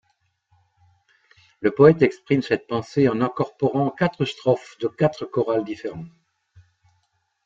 Le poète exprime cette pensée en incorporant quatre strophes de quatre chorals différents.